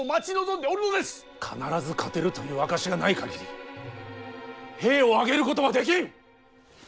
必ず勝てるという証しがない限り兵を挙げることはできん！